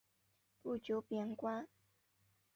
不久贬官。